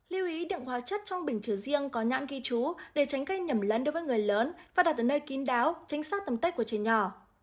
lưu ý điện hóa chất trong bình chữ riêng có nhãn ghi chú để tránh cây nhầm lấn đối với người lớn và đặt ở nơi kín đáo tránh sát tầm tích của trẻ nhỏ